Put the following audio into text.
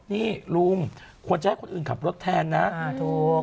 นี่ลุงควรจะให้คนอื่นขับรถแทนนะถูก